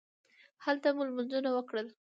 هلته مو لمونځونه وکړل.